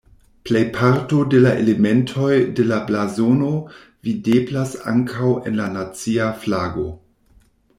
Plejparto de la elementoj de la blazono videblas ankaŭ en la nacia flago.